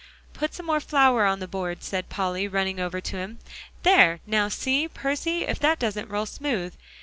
"Put some more flour on the board," said Polly, running over to him. "There, now see, Percy, if that doesn't roll smooth."